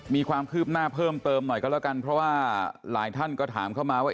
มีความคืบหน้าเพิ่มเติมหน่อยก็แล้วกันเพราะว่าหลายท่านก็ถามเข้ามาว่า